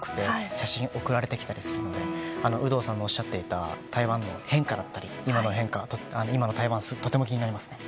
写真が送られてきたりするので有働さんのおっしゃっていた台湾の変化だったり今の台湾、とても気になりますね。